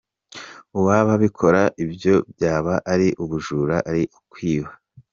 Uwaba abikora ibyo byaba ari ubujura, ari ukwiba.